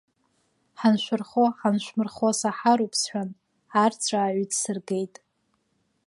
Ҳаншәырхо-ҳаншәмырхо саҳароуп, сҳәан, арҵәаа ҩҭсыргеит.